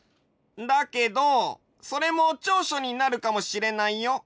だけどそれも長所になるかもしれないよ。